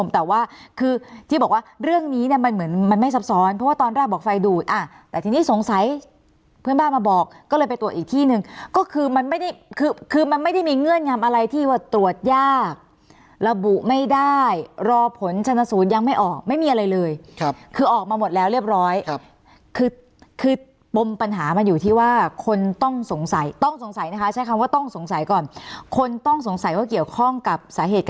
แต่ทีนี้สงสัยเพื่อนบ้านมาบอกก็เลยไปตรวจอีกที่หนึ่งก็คือมันไม่ได้คือคือมันไม่ได้มีเงื่อนงามอะไรที่ว่าตรวจยากระบุไม่ได้รอผลชนสูตรยังไม่ออกไม่มีอะไรเลยครับคือออกมาหมดแล้วเรียบร้อยครับคือคือปมปัญหามันอยู่ที่ว่าคนต้องสงสัยต้องสงสัยนะคะใช้คำว่าต้องสงสัยก่อนคนต้องสงสัยว่าเกี่ยวข้องกับสาเหต